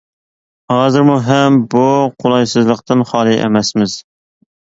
ھازىرمۇ ھەم بۇ قولايسىزلىقتىن خالىي ئەمەسمىز.